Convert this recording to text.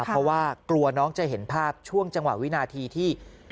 เพราะว่ากลัวน้องจะเห็นภาพช่วงจังหวะวินาทีที่